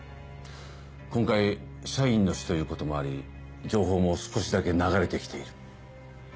今回社員の死ということもあり情報も少しだけ流れて来ている。